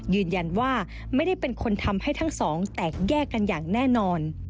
ยืนยันว่าไม่ได้เป็นคนทำให้ทั้งสองแตกแยกกันอย่างแน่นอน